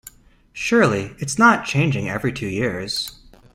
Surely, it's not changing every two years.